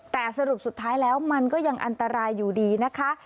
แต่สรุปสุดท้ายแล้วมันก็ยังอันตรายอยู่ดีนะคะ